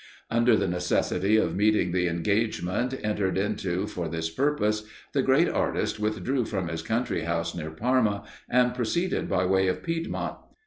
Under the necessity of meeting the engagement entered into for this purpose, the great artist withdrew from his country house near Parma, and proceeded by way of Piedmont.